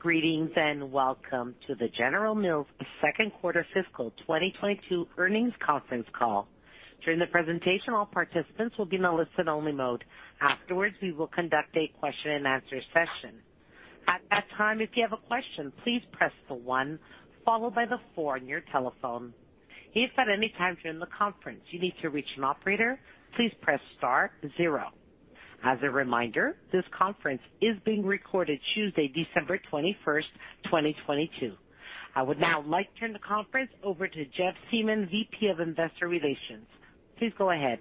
Greetings, and welcome to the General Mills Second Quarter Fiscal 2022 Earnings Conference Call. During the presentation, all participants will be in a listen only mode. Afterwards, we will conduct a question-and-answer session. At that time, if you have a question, please press the one followed by the four on your telephone. If at any time during the conference you need to reach an operator, please press star zero. As a reminder, this conference is being recorded Tuesday, December 21, 2022. I would now like to turn the conference over to Jeff Siemon, VP of Investor Relations. Please go ahead.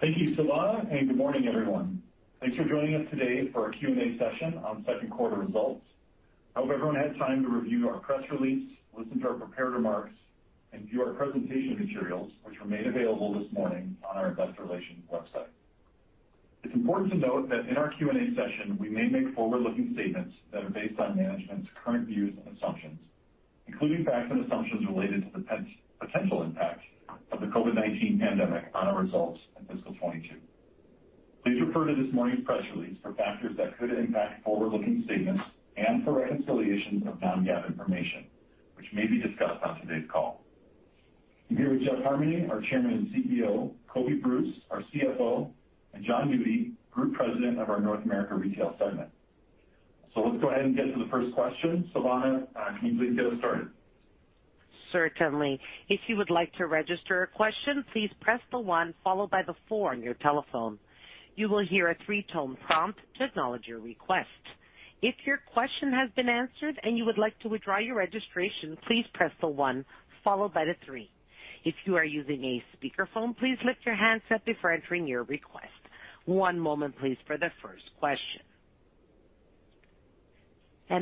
Thank you, Silvana, and good morning, everyone. Thanks for joining us today for our Q&A session on second quarter results. I hope everyone had time to review our press release, listen to our prepared remarks, and view our presentation materials, which were made available this morning on our investor relations website. It's important to note that in our Q&A session, we may make forward-looking statements that are based on management's current views and assumptions, including facts and assumptions related to the potential impact of the COVID-19 pandemic on our results in fiscal 2022. Please refer to this morning's press release for factors that could impact forward-looking statements and for reconciliations of non-GAAP information, which may be discussed on today's call. I'm here with Jeff Harmening, our Chairman and CEO, Kofi Bruce, our CFO, and Jon Nudi, Group President of our North America Retail segment. Let's go ahead and get to the first question. Silvana, can you please get us started?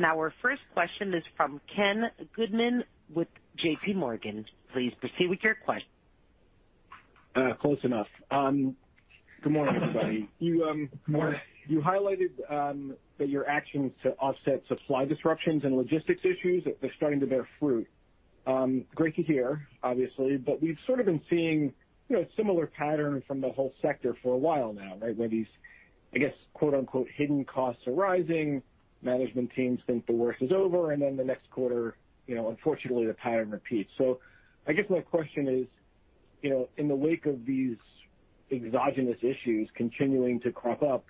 Our first question is from Ken Goldman with J.P. Morgan. Please proceed with your question. Close enough. Good morning, everybody. Morning. You highlighted that your actions to offset supply disruptions and logistics issues, they're starting to bear fruit. Great to hear, obviously, but we've sort of been seeing, you know, similar pattern from the whole sector for a while now, right? Where these, I guess, quote-unquote, "hidden costs" are rising. Management teams think the worst is over, and then the next quarter, you know, unfortunately, the pattern repeats. I guess my question is, you know, in the wake of these exogenous issues continuing to crop up,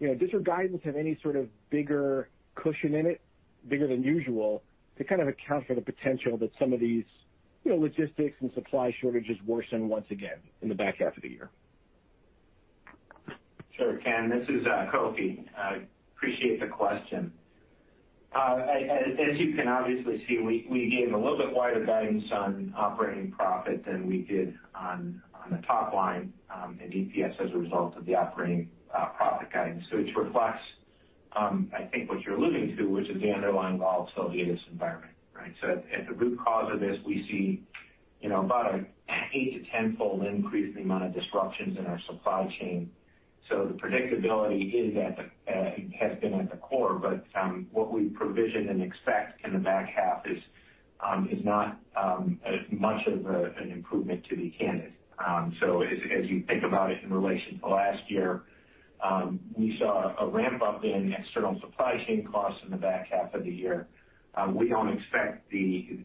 you know, does your guidance have any sort of bigger cushion in it, bigger than usual, to kind of account for the potential that some of these, you know, logistics and supply shortages worsen once again in the back half of the year? Sure, Ken. This is Kofi. I appreciate the question. As you can obviously see, we gave a little bit wider guidance on operating profit than we did on the top line, and EPS as a result of the operating profit guidance. It reflects, I think, what you're alluding to, which is the underlying volatility in this environment, right? At the root cause of this, we see, you know, about an 8- to 10-fold increase in the amount of disruptions in our supply chain. The predictability has been at the core, but what we provision and expect in the back half is not as much of an improvement to be candid. As you think about it in relation to last year, we saw a ramp up in external supply chain costs in the back half of the year. We don't expect these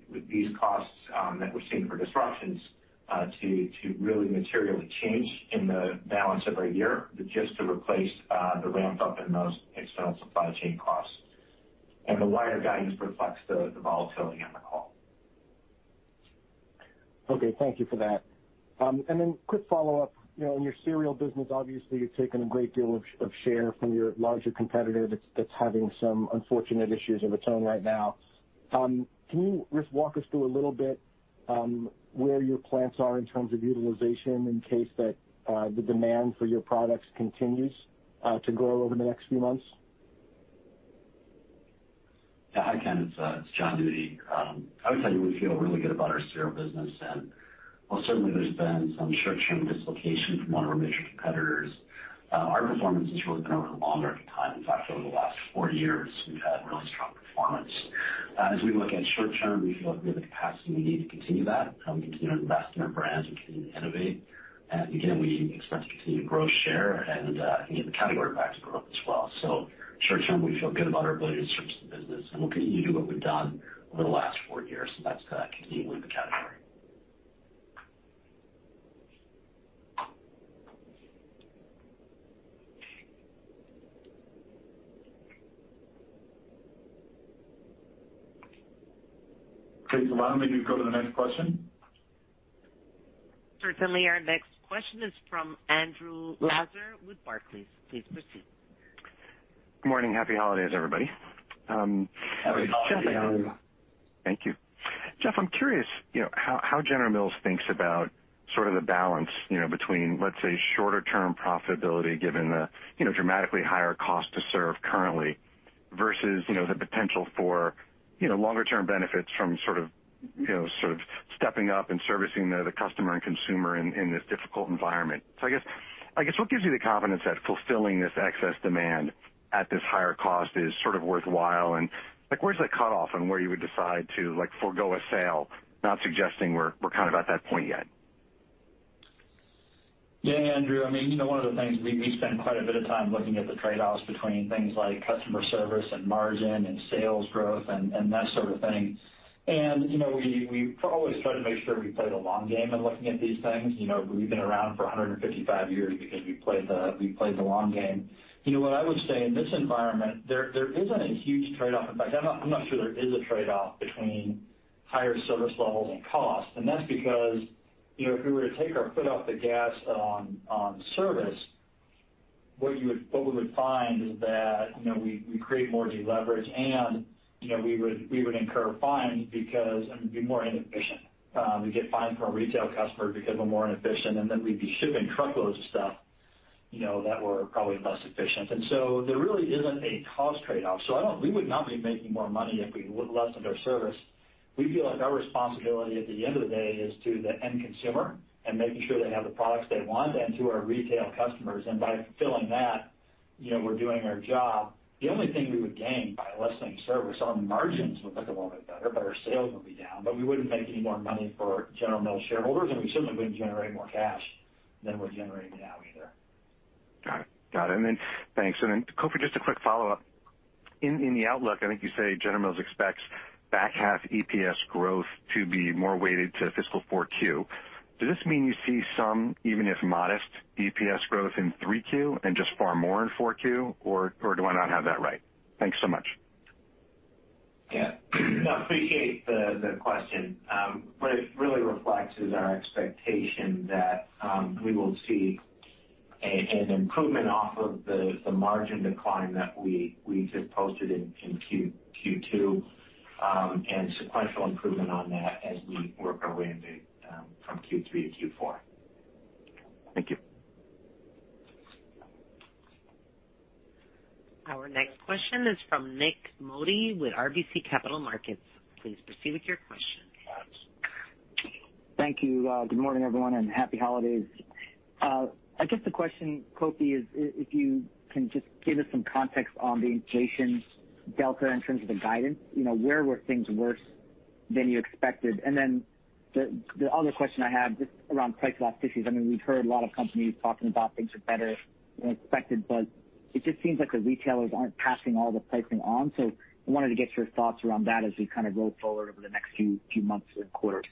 costs that we're seeing for disruptions to really materially change in the balance of our year, just to replace the ramp up in those external supply chain costs. The wider guidance reflects the volatility in the call. Okay, thank you for that. Quick follow-up. You know, in your cereal business, obviously, you've taken a great deal of share from your larger competitor that's having some unfortunate issues of its own right now. Can you just walk us through a little bit, where your plants are in terms of utilization in case that the demand for your products continues to grow over the next few months? Yeah. Hi, Ken. It's Jon Nudi. I would tell you, we feel really good about our cereal business. While certainly there's been some short-term dislocation from one of our major competitors, our performance has really been over a longer time. In fact, over the last four years, we've had really strong performance. As we look at short-term, we feel like we have the capacity we need to continue that, continue to invest in our brands and continue to innovate. Again, we expect to continue to grow share and get the category to grow as well. Short-term, we feel good about our ability to service the business, and we'll continue to do what we've done over the last four years, and that's continue to lead the category. Okay, Silvana. Maybe go to the next question. Certainly. Our next question is from Andrew Lazar with Barclays. Please proceed. Good morning. Happy holidays, everybody. Happy Holidays, Andrew. Thank you. Jeff, I'm curious, you know, how General Mills thinks about sort of the balance, you know, between, let's say, shorter term profitability, given the, you know, dramatically higher cost to serve currently, versus, you know, the potential for, you know, longer term benefits from sort of, you know, sort of stepping up and servicing the customer and consumer in this difficult environment. So I guess what gives you the confidence that fulfilling this excess demand at this higher cost is sort of worthwhile? Like, where's that cutoff on where you would decide to, like, forego a sale? Not suggesting we're kind of at that point yet. Yeah, Andrew, I mean, you know, one of the things we spend quite a bit of time looking at the trade-offs between things like customer service and margin and sales growth and that sort of thing. You know, we always try to make sure we play the long game in looking at these things. You know, we've been around for 155 years because we played the long game. You know what I would say in this environment, there isn't a huge trade-off. In fact, I'm not sure there is a trade-off between higher service levels and costs. That's because, you know, if we were to take our foot off the gas on service, what we would find is that, you know, we create more deleverage and, you know, we would incur fines because it would be more inefficient. We get fines from a retail customer because we're more inefficient, and then we'd be shipping truckloads of stuff, you know, that were probably less efficient. There really isn't a cost trade-off. We would not be making more money if we would lessen their service. We feel like our responsibility at the end of the day is to the end consumer and making sure they have the products they want and to our retail customers. By fulfilling that, you know, we're doing our job. The only thing we would gain by lessening service on margins would look a little bit better, but our sales would be down, but we wouldn't make any more money for General Mills shareholders, and we certainly wouldn't generate more cash than we're generating now either. Got it. Thanks. Kofi, just a quick follow-up. In the outlook, I think you say General Mills expects back half EPS growth to be more weighted to fiscal 4Q. Does this mean you see some, even if modest, EPS growth in 3Q and just far more in 4Q, or do I not have that right? Thanks so much. Yeah. I appreciate the question. What it really reflects is our expectation that we will see an improvement off of the margin decline that we just posted in Q2, and sequential improvement on that as we work our way into from Q3 to Q4. Thank you. Our next question is from Nik Modi with RBC Capital Markets. Please proceed with your question. Thank you. Good morning, everyone, and happy holidays. I guess the question, Kofi, is if you can just give us some context on the inflation delta in terms of the guidance, you know, where were things worse than you expected? And then the other question I have just around price elasticity is, I mean, we've heard a lot of companies talking about things are better than expected, but it just seems like the retailers aren't passing all the pricing on. I wanted to get your thoughts around that as we kind of roll forward over the next few months and quarters.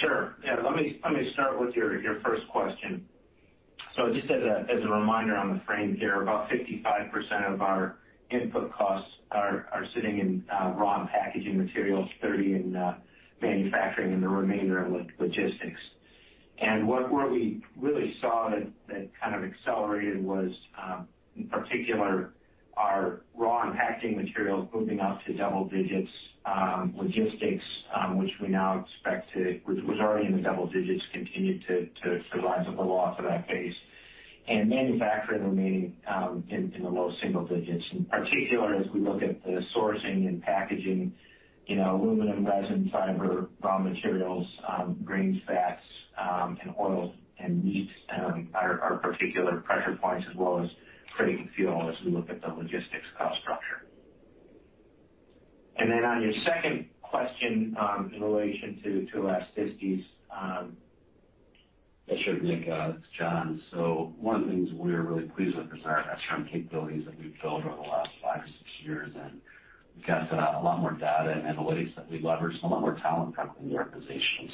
Sure. Yeah. Let me start with your first question. Just as a reminder on the framing here, about 55% of our input costs are sitting in raw and packaging materials, 30% in manufacturing and the remainder in logistics. Where we really saw that kind of acceleration was in particular our raw and packaging materials moving up to double digits, logistics, which was already in the double digits, continue to rise a little off of that base. Manufacturing remaining in the low single digits. In particular, as we look at the sourcing and packaging, you know, aluminum, resin, fiber, raw materials, grains, fats, and oils and meats, are particular pressure points as well as freight and fuel as we look at the logistics cost structure. On your second question, in relation to elasticities. Sure, Nik, it's Jon. One of the things we're really pleased with is our SRM capabilities that we've built over the last five or six years, and we've got a lot more data and analytics that we leverage and a lot more talent frankly in the organization.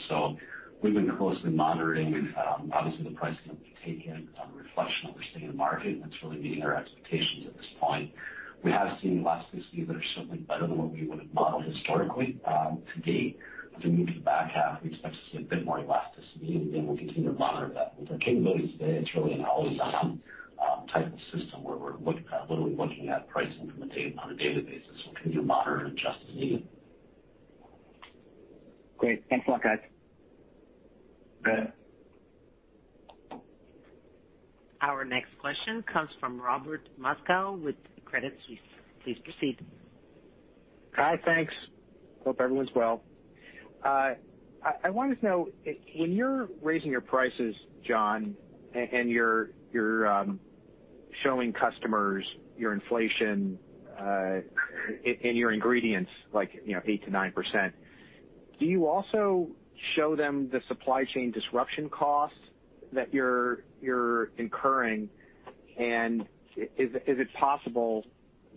We've been closely monitoring obviously the pricing that we take in and the reaction that we're seeing in the market, and it's really meeting our expectations at this point. We have seen elasticities that are certainly better than what we would have modeled historically to date. As we move to the back half, we expect to see a bit more elasticity, and we'll continue to monitor that. With our capabilities today, it's really an always-on type of system where we're literally looking at pricing on a daily basis. We can monitor and adjust as needed. Great. Thanks a lot, guys. Go ahead. Our next question comes from Robert Moskow with Credit Suisse. Please proceed. Hi. Thanks. Hope everyone's well. I wanted to know if when you're raising your prices, Jon, and you're showing customers your inflation in your ingredients, like, you know, 8%-9%, do you also show them the supply chain disruption costs that you're incurring? Is it possible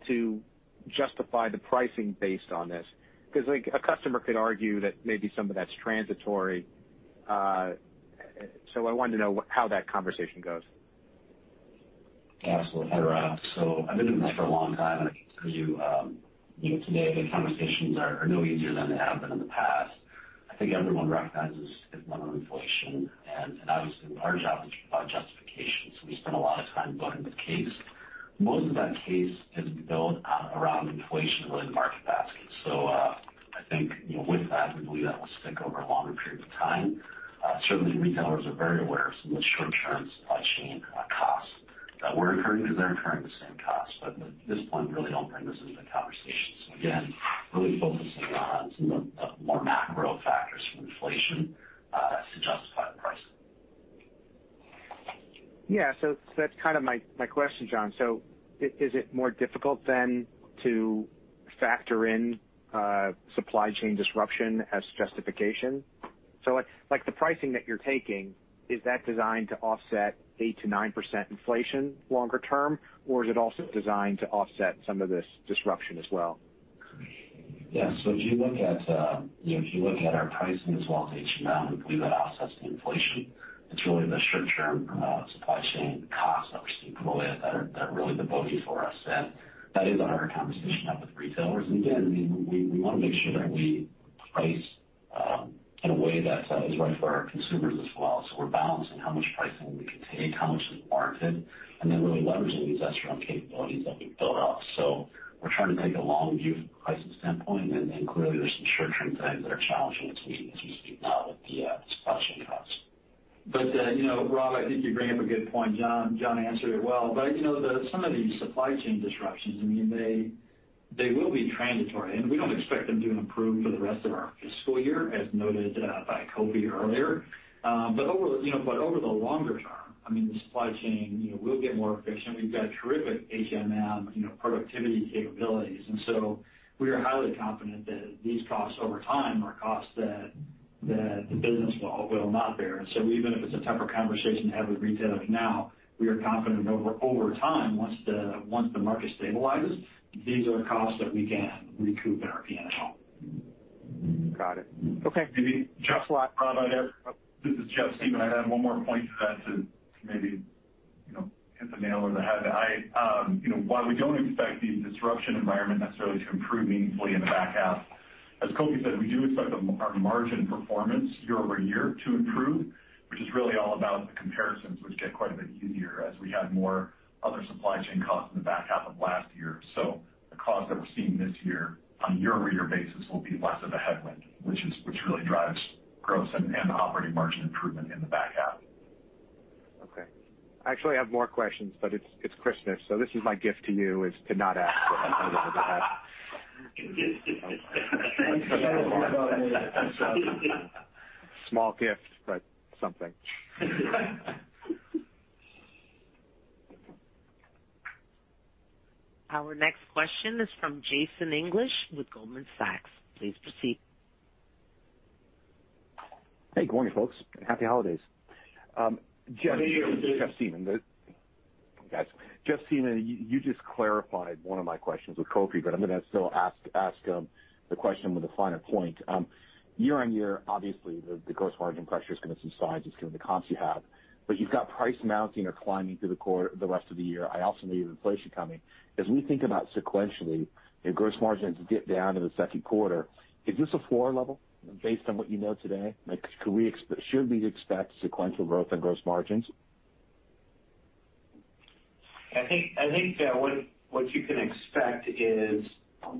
to justify the pricing based on this? 'Cause, like, a customer could argue that maybe some of that's transitory. I wanted to know how that conversation goes. Absolutely. I'll wrap. I've been in this for a long time. I can tell you know, today the conversations are no easier than they have been in the past. I think everyone recognizes its level of inflation. Obviously, our job is about justification, so we spend a lot of time building the case. Most of that case is built around inflation-related market baskets. I think, you know, with that, we believe that will stick over a longer period of time. Certainly, retailers are very aware of some of the short-term supply chain costs that we're incurring because they're incurring the same costs. At this point, we really don't bring this into the conversation. Again, really focusing on some of the more macro factors from inflation to justify the pricing. Yeah. That's kind of my question, Jon. Is it more difficult than to factor in supply chain disruption as justification? Like, the pricing that you're taking, is that designed to offset 8%-9% inflation longer term, or is it also designed to offset some of this disruption as well? As you look at our pricing as well as inflation. It's really the short-term supply chain costs that we're seeing from oil that are really the bogey for us. That is a harder conversation to have with retailers. Again, I mean, we wanna make sure that we price in a way that is right for our consumers as well. We're balancing how much pricing we can take, how much is warranted, and then really leveraging these restaurant capabilities that we've built out. We're trying to take a long view from a pricing standpoint, and then clearly there's some short-term things that are challenging today as we speak now with the supply chain costs. You know, Rob, I think you bring up a good point. Jon answered it well. You know, some of these supply chain disruptions, I mean, they will be transitory, and we don't expect them to improve for the rest of our fiscal year, as noted by Kofi earlier. Over the longer term, I mean, the supply chain will get more efficient. We've got terrific Asia now productivity capabilities. We are highly confident that these costs over time are costs that the business will not bear. So even if it's a tougher conversation to have with retailers now, we are confident over time, once the market stabilizes, these are costs that we can recoup in our P&L. Got it. Okay. Maybe, Jeff, Rob, I'd add. This is Jeff Siemon. I'd add one more point to that to maybe, you know, hit the nail on the head. You know, while we don't expect the disruption environment necessarily to improve meaningfully in the back half, as Kofi said, we do expect our margin performance year-over-year to improve, which is really all about the comparisons, which get quite a bit easier as we had more other supply chain costs in the back half of last year. The costs that we're seeing this year on a year-over-year basis will be less of a headwind, which really drives gross and operating margin improvement in the back half. Okay. I actually have more questions, but it's Christmas, so this is my gift to you, is to not ask any more than that. Small gift, but something. Our next question is from Jason English with Goldman Sachs. Please proceed. Hey, good morning, folks. Happy holidays. Jeff- Happy New Year. Jeff Siemon, guys. Jeff Siemon, you just clarified one of my questions with Kofi, but I'm gonna still ask the question with a finer point. Year-on-year, obviously, the gross margin pressure is gonna be some size. It's gonna be the comps you have. But you've got price mounting or climbing through the rest of the year. I also know you have inflation coming. As we think about sequentially, your gross margins dip down in the second quarter. Is this a floor level based on what you know today? Like, could we should we expect sequential growth in gross margins? I think what you can expect is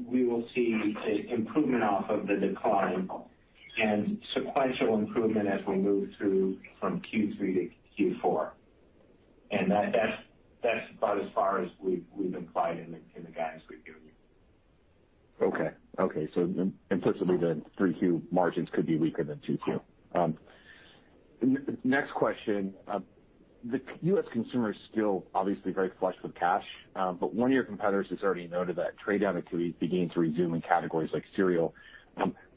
we will see an improvement off of the decline and sequential improvement as we move through from Q3 to Q4. That's about as far as we've implied in the guidance we've given you. Implicitly, the 3Q margins could be weaker than 2Q. Next question. The U.S. consumer is still obviously very flush with cash, but one of your competitors has already noted that trade down activity beginning to resume in categories like cereal.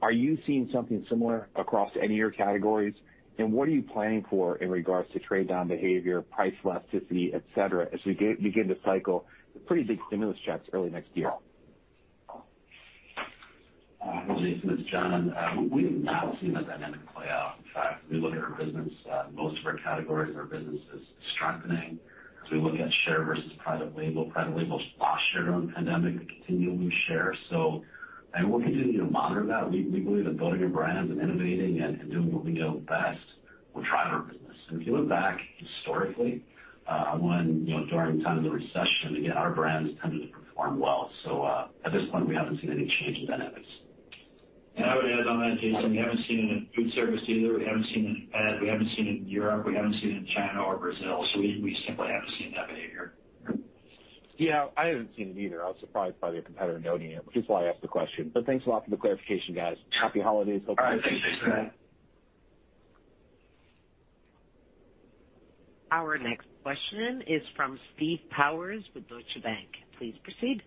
Are you seeing something similar across any of your categories? And what are you planning for in regards to trade down behavior, price elasticity, et cetera, as we begin to cycle the pretty big stimulus checks early next year? Jason, it's Jon. We have not seen that dynamic play out. In fact, we look at our business, most of our categories, our business is strengthening. As we look at share versus private label, private label lost share during the pandemic and continuing to lose share. We'll continue to monitor that. We believe that building your brands and innovating and doing what we know best will drive our business. If you look back historically, when you know, during the time of the recession, again, our brands tended to perform well. At this point, we haven't seen any change in dynamics. I would add on that, Jason, we haven't seen it in food service either. We haven't seen it in ad, we haven't seen it in Europe, we haven't seen it in China or Brazil. We simply haven't seen that behavior. Yeah. I haven't seen it either. I was surprised by the competitor noting it, which is why I asked the question. But thanks a lot for the clarification, guys. Happy holidays, hopefully. All right. Thanks, Jason. Our next question is from Steve Powers with Deutsche Bank. Please proceed.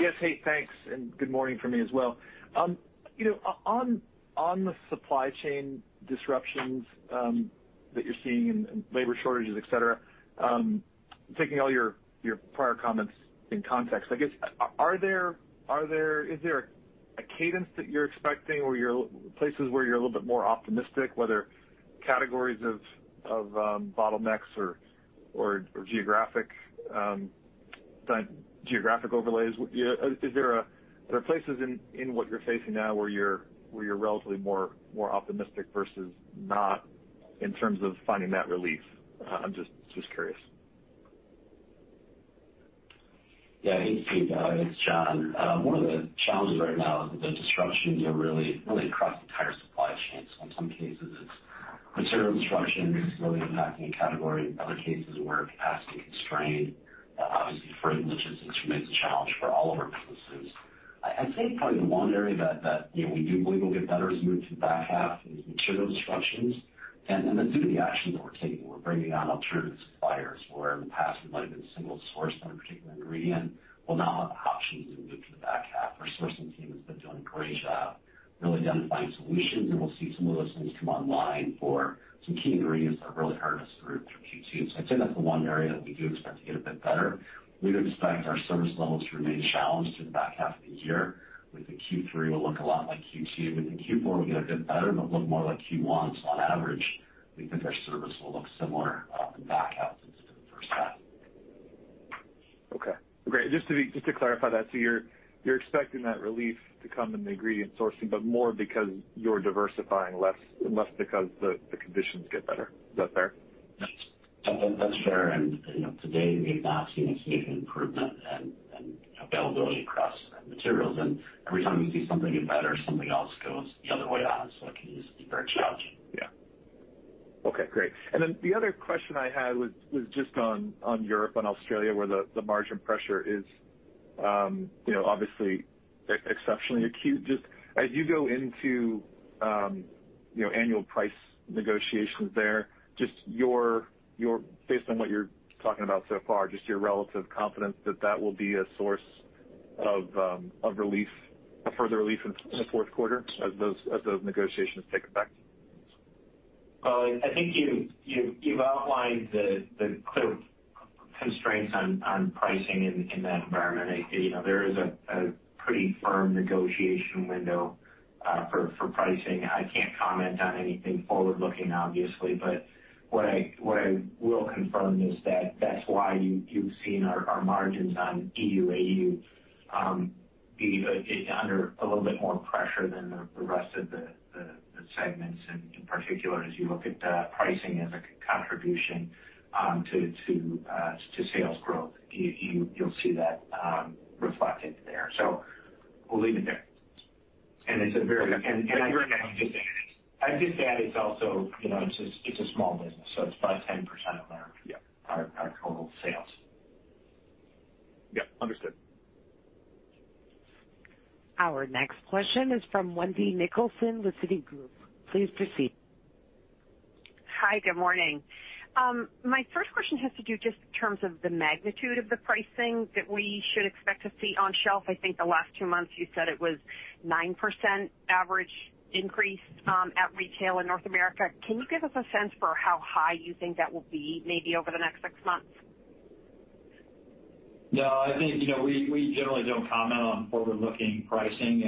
Yes. Hey, thanks, and good morning from me as well. You know, on the supply chain disruptions that you're seeing and labor shortages, et cetera, taking all your prior comments in context, I guess, is there a cadence that you're expecting or places where you're a little bit more optimistic, whether categories of bottlenecks or geographic overlays? Are there places in what you're facing now where you're relatively more optimistic versus not in terms of finding that relief? I'm just curious. Yeah. Thank you, Steve. It's Jon. One of the challenges right now is the disruption, you know, really across the entire supply chain. In some cases, it's material inflation really impacting a category. In other cases where capacity constrained, obviously freight and logistics remains a challenge for all of our businesses. I'd say probably the one area that you know, we do believe will get better as we move to the back half is material inflation, and then due to the actions that we're taking, we're bringing on alternative suppliers, where in the past we might have been single sourced on a particular ingredient, we'll now have options as we move to the back half. Our sourcing team has been doing a great job really identifying solutions, and we'll see some of those things come online for some key ingredients that really hurt us through Q2. I'd say that's the one area that we do expect to get a bit better. We'd expect our service levels to remain challenged through the back half of the year. We think Q3 will look a lot like Q2. We think Q4 will get a bit better and it'll look more like Q1. On average, we think our service will look similar in the back half as it did in the first half. Okay, great. Just to clarify that, so you're expecting that relief to come in the ingredient sourcing, but more because you're diversifying less and less because the conditions get better. Is that fair? That's fair. You know, today, we've not seen a significant improvement and availability across materials. Every time you see something get better, something else goes the other way on. It can just be very challenging. Okay, great. The other question I had was just on Europe and Australia, where the margin pressure is, you know, obviously exceptionally acute. Just as you go into, you know, annual price negotiations there, just your relative confidence based on what you're talking about so far that will be a source of relief or further relief in the fourth quarter as those negotiations take effect. Well, I think you've outlined the clear constraints on pricing in that environment. You know, there is a pretty firm negotiation window for pricing. I can't comment on anything forward-looking obviously, but what I will confirm is that that's why you've seen our margins on EU, AU be under a little bit more pressure than the rest of the segments. In particular, as you look at pricing as a contribution to sales growth, you'll see that reflected there. We'll leave it there. It's a very- You're- I'd just add it's also, you know, it's a small business, so it's about 10% of our- Yeah. our total sales. Yeah. Understood. Our next question is from Wendy Nicholson with Citigroup. Please proceed. Hi. Good morning. My first question has to do just in terms of the magnitude of the pricing that we should expect to see on shelf. I think the last two months you said it was 9% average increase, at retail in North America. Can you give us a sense for how high you think that will be maybe over the next six months? No, I think, you know, we generally don't comment on forward-looking pricing.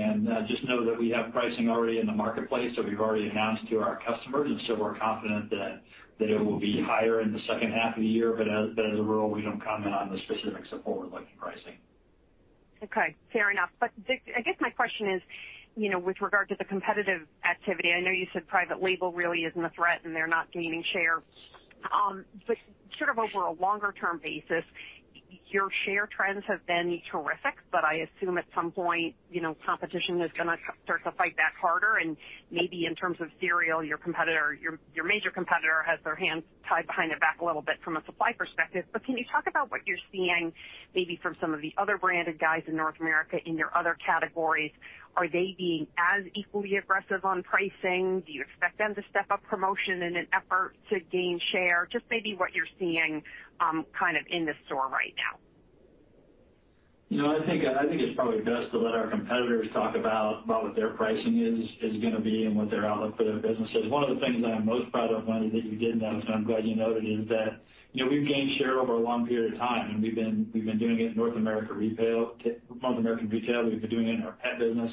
Just know that we have pricing already in the marketplace that we've already announced to our customers, and so we're confident that it will be higher in the second half of the year. As a rule, we don't comment on the specifics of forward-looking pricing. Okay. Fair enough. I guess my question is, you know, with regard to the competitive activity, I know you said private label really isn't a threat and they're not gaining share. But sort of over a longer term basis, your share trends have been terrific, but I assume at some point, you know, competition is gonna start to fight back harder. Maybe in terms of cereal, your major competitor has their hands tied behind their back a little bit from a supply perspective. Can you talk about what you're seeing maybe from some of the other branded guys in North America in your other categories? Are they being as equally aggressive on pricing? Do you expect them to step up promotion in an effort to gain share? Just maybe what you're seeing kind of in the store right now. You know, I think it's probably best to let our competitors talk about what their pricing is gonna be and what their outlook for their business is. One of the things I am most proud of, Wendy, that you didn't notice and I'm glad you noted, is that, you know, we've gained share over a long period of time and we've been doing it in North American retail. We've been doing it in our pet business.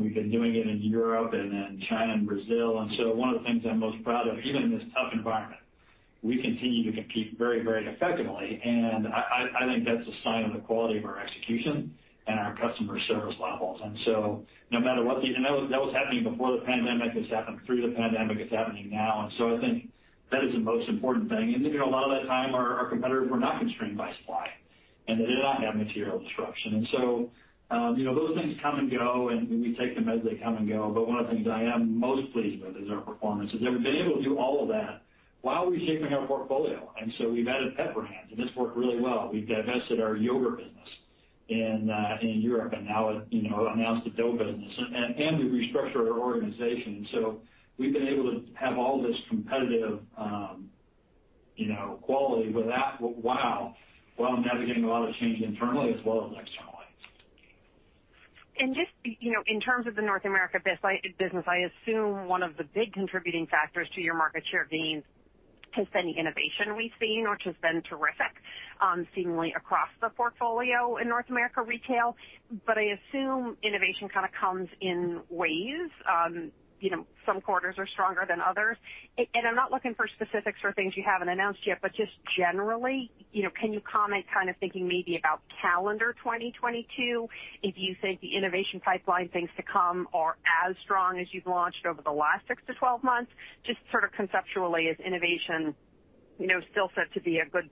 We've been doing it in Europe and in China and Brazil. One of the things I'm most proud of, even in this tough environment, we continue to compete very effectively. I think that's a sign of the quality of our execution and our customer service levels. No matter what. That was happening before the pandemic, it's happened through the pandemic, it's happening now. I think that is the most important thing. You know, a lot of that time our competitors were not constrained by supply and they did not have material disruption. You know, those things come and go and we take them as they come and go. One of the things I am most pleased with is our performance is that we've been able to do all of that while reshaping our portfolio. We've added Blue Buffalo, and it's worked really well. We've divested our yogurt business in Europe and now, you know, announced the dough business and we've restructured our organization. We've been able to have all this competitive, you know, quality while navigating a lot of change internally as well as externally. Just, you know, in terms of the North America business, I assume one of the big contributing factors to your market share gains has been the innovation we've seen, which has been terrific, seemingly across the portfolio in North America Retail. I assume innovation kinda comes in waves. You know, some quarters are stronger than others. And I'm not looking for specifics or things you haven't announced yet, but just generally, you know, can you comment kind of thinking maybe about calendar 2022, if you think the innovation pipeline things to come are as strong as you've launched over the last 6 to 12 months? Just sort of conceptually, is innovation, you know, still set to be a good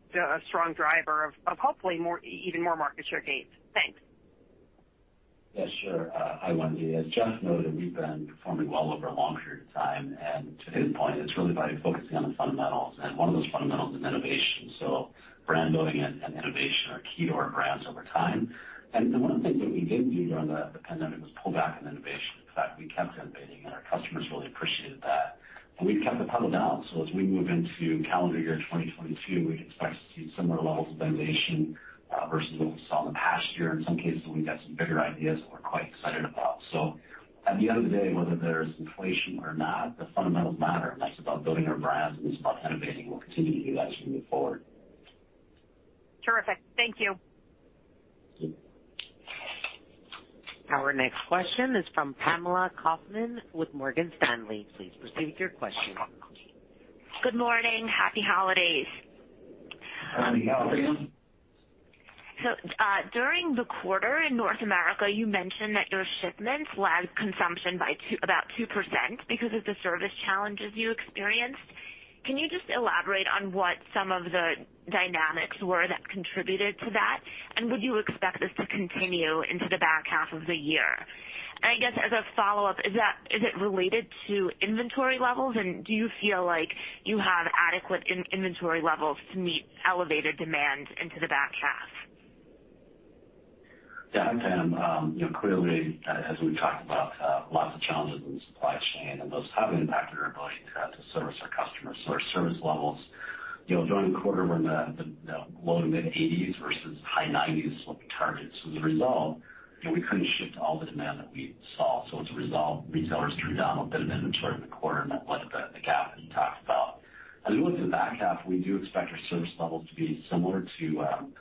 strong driver of hopefully more even more market share gains? Thanks. Yes, sure. Hi, Wendy. As Jeff noted, we've been performing well over a long period of time, and to his point, it's really about focusing on the fundamentals, and one of those fundamentals is innovation. Brand building and innovation are key to our brands over time. One of the things that we didn't do during the pandemic was pull back on innovation. In fact, we kept innovating, and our customers really appreciated that. We've kept the pedal down. As we move into calendar year 2022, we expect to see similar levels of innovation versus what we saw in the past year. In some cases, we've got some bigger ideas that we're quite excited about. At the end of the day, whether there's inflation or not, the fundamentals matter, and that's about building our brands, and it's about innovating. We'll continue to do that as we move forward. Terrific. Thank you. Our next question is from Pamela Kaufman with Morgan Stanley. Please proceed with your question. Good morning. Happy holidays. Happy holidays. During the quarter in North America, you mentioned that your shipments lagged consumption by about 2% because of the service challenges you experienced. Can you just elaborate on what some of the dynamics were that contributed to that? Would you expect this to continue into the back half of the year? I guess as a follow-up, is it related to inventory levels, and do you feel like you have adequate inventory levels to meet elevated demand into the back half? Yeah. Hi, Pam. You know, clearly, as we've talked about, lots of challenges in the supply chain, and those have impacted our ability to service our customers. Our service levels, you know, during the quarter were in the low- to mid-80s% versus high 90s% is what we target. As a result, you know, we couldn't ship to all the demand that we saw. As a result, retailers drew down a bit of inventory in the quarter, and that led to the gap that you talked about. As we look to the back half, we do expect our service levels to be similar to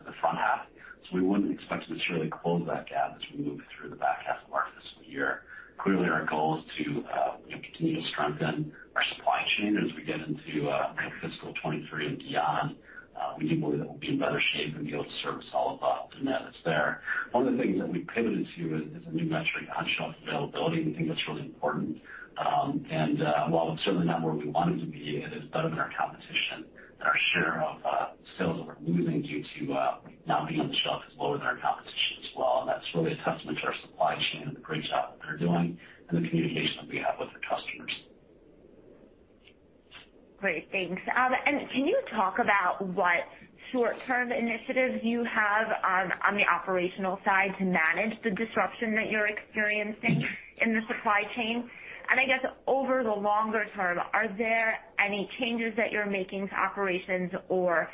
the front half. We wouldn't expect to necessarily close that gap as we move through the back half of our fiscal year. Clearly, our goal is to, you know, continue to strengthen our supply chain as we get into, you know, fiscal 2023 and beyond. We do believe that we'll be in better shape and be able to service all of the demand that's there. One of the things that we've pivoted to is a new metric on shelf availability. We think that's really important. While it's certainly not where we want it to be, it is better than our competition. Our share of sales that we're losing due to not being on the shelf is lower than our competition as well. That's really a testament to our supply chain and the great job that they're doing and the communication that we have with our customers. Great. Thanks. Can you talk about what short-term initiatives you have on the operational side to manage the disruption that you're experiencing in the supply chain? I guess over the longer term, are there any changes that you're making to operations or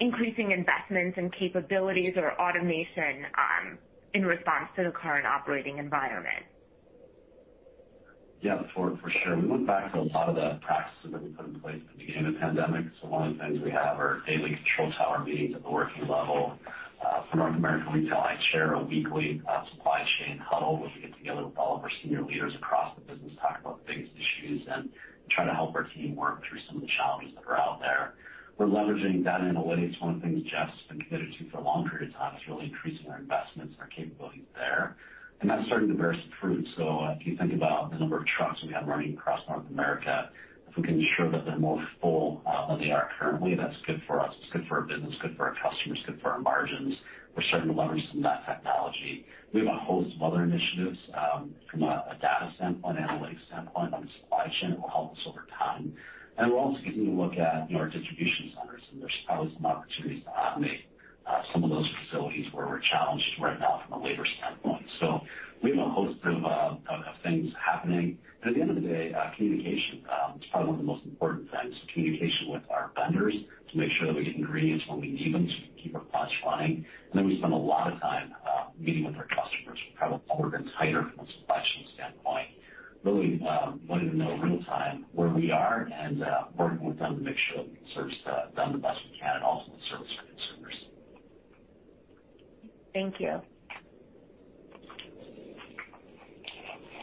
increasing investments in capabilities or automation in response to the current operating environment? Yeah, for sure. We went back to a lot of the practices that we put in place at the beginning of the pandemic. One of the things we have are daily control tower meetings at the working level. For North America Retail, I chair a weekly supply chain huddle, which we get together with all of our senior leaders across the business to talk about biggest issues and try to help our team work through some of the challenges that are out there. We're leveraging data and analytics. One of the things Jeff's been committed to for a long period of time is really increasing our investments and our capabilities there. That's starting to bear some fruit. If you think about the number of trucks we have running across North America, if we can ensure that they're more full than they are currently, that's good for us. It's good for our business, good for our customers, good for our margins. We're starting to leverage some of that technology. We have a host of other initiatives from a data standpoint, analytics standpoint on the supply chain that will help us over time. We're also taking a look at you know, our distribution centers, and there's probably some opportunities to automate some of those facilities where we're challenged right now from a labor standpoint. We have a host of things happening. At the end of the day, communication is probably one of the most important things, communication with our vendors to make sure that we get ingredients when we need them, so we can keep our plants running. Then we spend a lot of time meeting with our customers. We're probably holding them tighter from a supply chain standpoint, really, wanting to know real time where we are and, working with them to make sure that we can service them the best we can and also service our consumers. Thank you.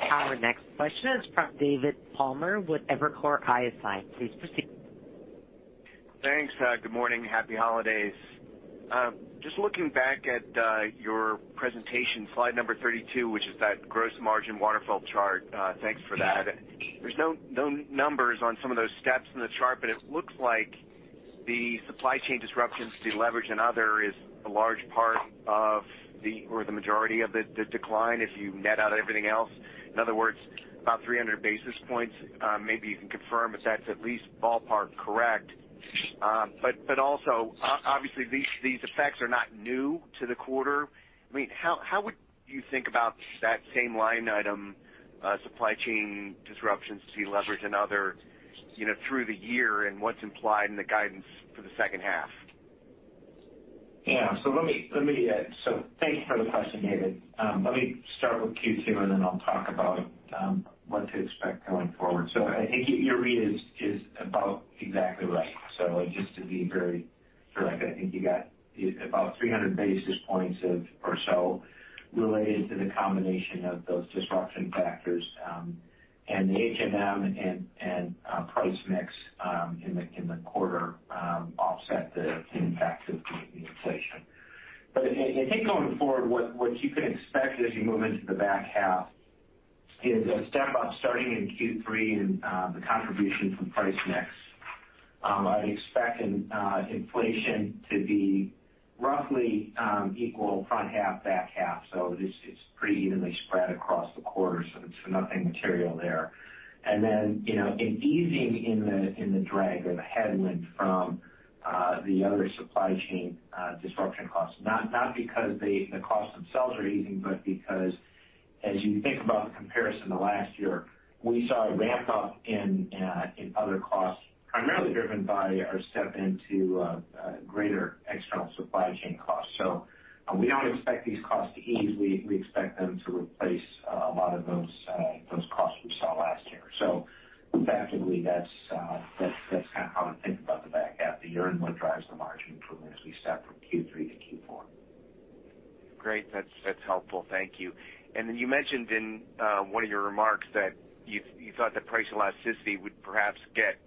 Our next question is from David Palmer with Evercore ISI. Please proceed. Thanks. Good morning. Happy holidays. Just looking back at your presentation, slide number 32, which is that gross margin waterfall chart, thanks for that. There's no numbers on some of those steps in the chart, but it looks like the supply chain disruptions, deleverage and other is a large part of or the majority of the decline if you net out everything else. In other words, about 300 basis points. Maybe you can confirm if that's at least ballpark correct. But also, obviously, these effects are not new to the quarter. I mean, how would you think about that same line item, supply chain disruptions, deleverage and other, you know, through the year and what's implied in the guidance for the second half? Yeah. Let me thank you for the question, David. Let me start with Q2, and then I'll talk about what to expect going forward. I think your read is about exactly right. Just to be very direct, I think you got it about 300 basis points or so related to the combination of those disruption factors, and the HMM and price mix, in the quarter, offset the impact of the inflation. I think going forward, what you can expect as you move into the back half. It's a step up starting in Q3 and the contribution from price mix. I'd expect an inflation to be roughly equal front half, back half, so this is pretty evenly spread across the quarter, so it's nothing material there. Then you know, an easing in the drag or the headwind from the other supply chain disruption costs, not because the costs themselves are easing, but because as you think about the comparison to last year, we saw a ramp up in other costs, primarily driven by our step into greater external supply chain costs. We don't expect these costs to ease. We expect them to replace a lot of those costs we saw last year. Factually, that's kind of how to think about the back half of the year and what drives the margin improvement as we step from Q3 to Q4. Great. That's helpful. Thank you. You mentioned in one of your remarks that you thought the price elasticity would perhaps get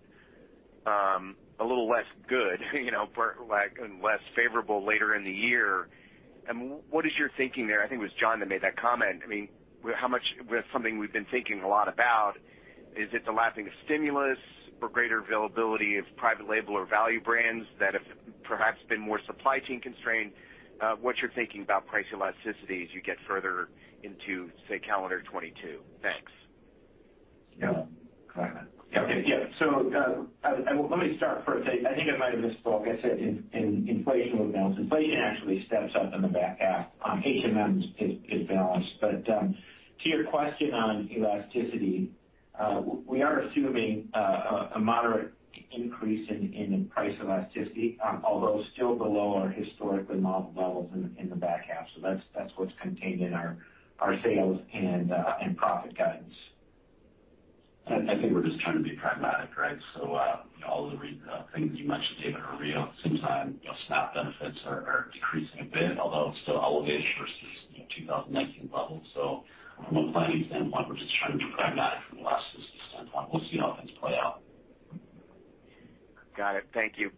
a little less good, you know, per like and less favorable later in the year. What is your thinking there? I think it was Jon that made that comment. I mean, with something we've been thinking a lot about, is it the lapping of stimulus or greater availability of private label or value brands that have perhaps been more supply chain constrained? What's your thinking about price elasticity as you get further into, say, calendar 2022? Thanks. Yeah. Yeah. Well, let me start first. I think I might have misspoke. I said inflation will balance. Inflation actually steps up in the back half. HMM is balanced. To your question on elasticity, we are assuming a moderate increase in price elasticity, although still below our historical model levels in the back half. That's what's contained in our sales and profit guidance. I think we're just trying to be pragmatic, right? All of the things you mentioned, David, are real. At the same time, you know, SNAP benefits are decreasing a bit, although it's still elevated versus, you know, 2019 levels. From a planning standpoint, we're just trying to be pragmatic from an elasticity standpoint. We'll see how things play out. Got it. Thank you.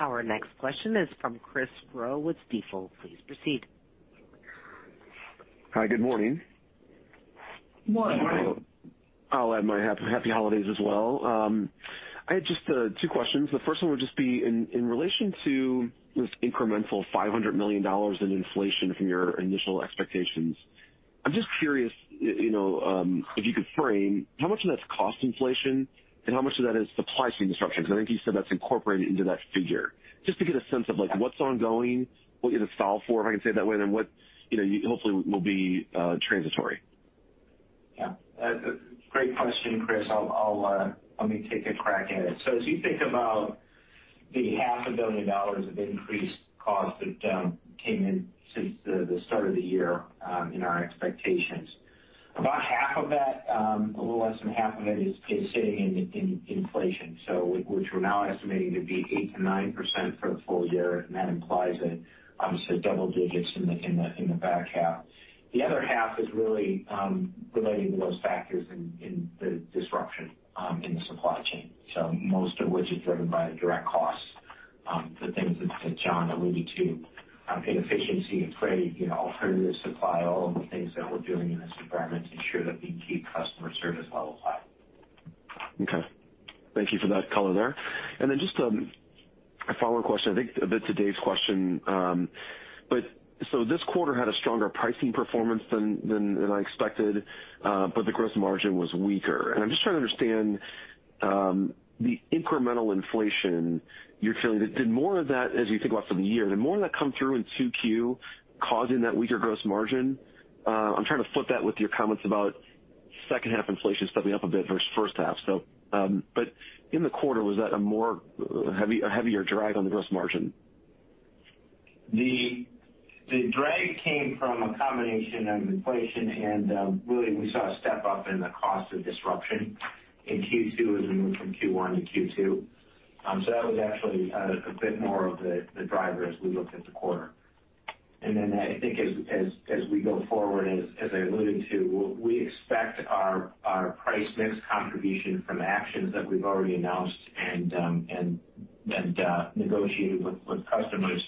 Our next question is from Chris Growe with Stifel. Please proceed. Hi. Good morning. Morning, Chris. Morning. I'll add my happy holidays as well. I had just two questions. The first one would just be in relation to this incremental $500 million in inflation from your initial expectations. I'm just curious, you know, if you could frame how much of that's cost inflation and how much of that is supply chain disruption, because I think you said that's incorporated into that figure. Just to get a sense of, like, what's ongoing, what you're going to solve for, if I can say it that way, then what, you know, hopefully will be transitory. Yeah. Great question, Chris. Let me take a crack at it. As you think about the half a billion dollars of increased costs that came in since the start of the year, in our expectations, about half of that, a little less than half of it is sitting in inflation. Which we're now estimating to be 8%-9% for the full year. That implies that, obviously, double digits in the back half. The other half is really relating to those factors in the disruption in the supply chain. Most of which is driven by direct costs, the things that Jon alluded to, inefficiency and freight, you know, alternative supply, all of the things that we're doing in this environment to ensure that we keep customer service levels high. Okay. Thank you for that color there. Just a follow-up question. I think a bit to Dave's question. This quarter had a stronger pricing performance than I expected, but the gross margin was weaker. I'm just trying to understand the incremental inflation you're feeling. Did more of that, as you think about for the year, come through in 2Q causing that weaker gross margin? I'm trying to flip that with your comments about second half inflation stepping up a bit versus first half. In the quarter, was that a heavier drag on the gross margin? The drag came from a combination of inflation and really we saw a step up in the cost of disruption in Q2 as we moved from Q1 to Q2. That was actually a bit more of the driver as we looked at the quarter. I think as we go forward, as I alluded to, we expect our price mix contribution from actions that we've already announced and negotiated with customers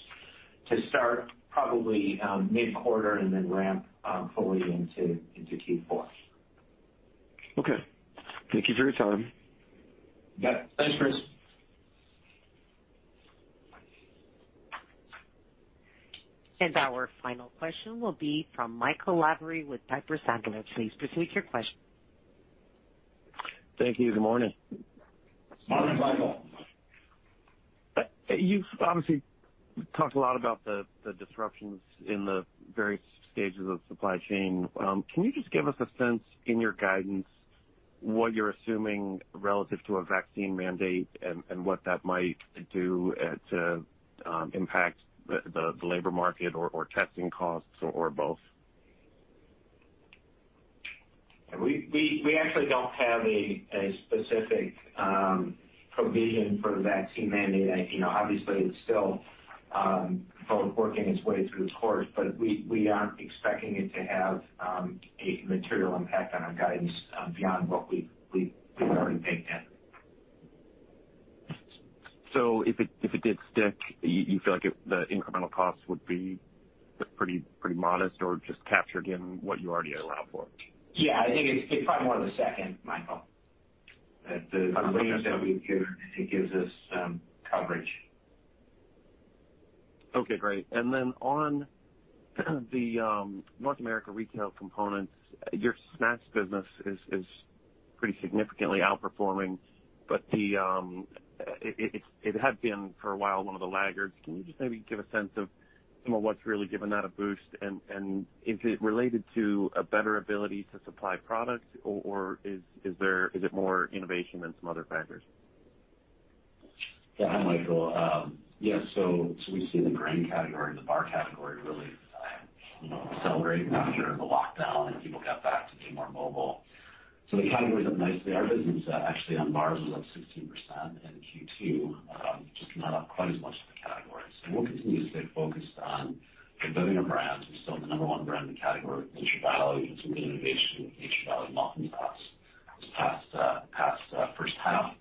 to start probably mid-quarter and then ramp fully into Q4. Okay. Thank you for your time. Yep. Thanks, Chris. Our final question will be from Michael Lavery with Piper Sandler. Please proceed with your question. Thank you. Good morning. Morning, Michael. You've obviously talked a lot about the disruptions in the various stages of supply chain. Can you just give us a sense in your guidance, what you're assuming relative to a vaccine mandate and what that might do to impact the labor market or testing costs or both? We actually don't have a specific provision for the vaccine mandate. You know, obviously it's still both working its way through the courts, but we aren't expecting it to have a material impact on our guidance beyond what we've already baked in. If it did stick, you feel like the incremental costs would be pretty modest or just captured in what you already allowed for? Yeah, I think it's probably more of the second, Michael. The range that we give, it gives us coverage. Okay, great. On the North America Retail components, your snacks business is pretty significantly outperforming, but it had been for a while one of the laggards. Can you just maybe give a sense of some of what's really given that a boost? Is it related to a better ability to supply products or is it more innovation than some other factors? Yeah. Hi, Michael. We see the granola bar category really accelerate after the lockdown and people got back to being more mobile. The category is up nicely. Our business actually on bars was up 16% in Q2, just not up quite as much as the category. We'll continue to stay focused on building our brands. We're still the number one brand in the category with Nature Valley. We did some good innovation with Nature Valley this past first half.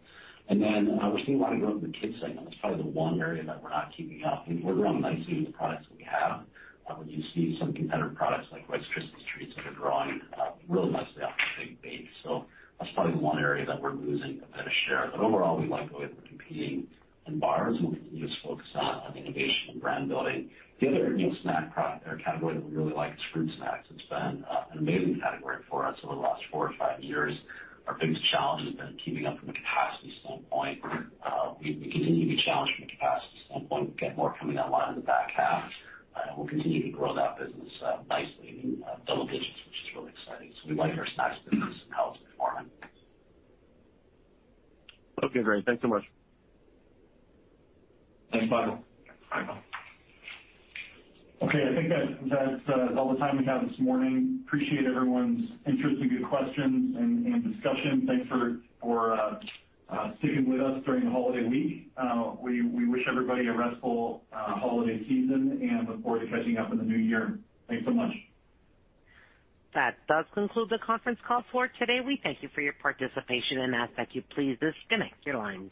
We're seeing a lot of growth in the kids segment. That's probably the one area that we're not keeping up. I mean, we're growing nicely with the products that we have. When you see some competitor products like Rice Krispies Treats that are growing really nicely off a big base. That's probably the one area that we're losing a bit of share. Overall, we like the way we're competing in bars, and we'll continue to focus on innovation and brand building. The other, you know, or category that we really like is fruit snacks. It's been an amazing category for us over the last four or five years. Our biggest challenge has been keeping up from a capacity standpoint. We continue to be challenged from a capacity standpoint. We've got more coming online in the back half. We'll continue to grow that business nicely in double digits, which is really exciting. We like our snacks business and how it's performing. Okay, great. Thanks so much. Thanks, Michael. Okay. I think that is all the time we have this morning. Appreciate everyone's interest and good questions and discussion. Thanks for sticking with us during the holiday week. We wish everybody a restful holiday season and look forward to catching up in the new year. Thanks so much. That does conclude the conference call for today. We thank you for your participation and ask that you please disconnect your lines.